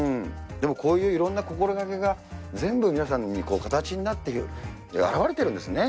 でもこういういろんな心掛けが、全部皆さんに形になって表れてるんですね。